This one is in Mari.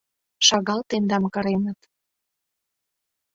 Шагал тендам кыреныт!